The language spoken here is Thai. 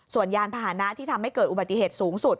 ส่วนยานพาหนะที่ทำให้เกิดอุบัติเหตุสูงสุด